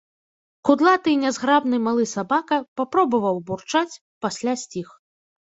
Кудлаты і нязграбны малы сабака папробаваў бурчаць, пасля сціх.